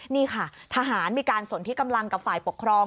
นี่ค่ะทหารมีการสนที่กำลังกับฝ่ายปกครอง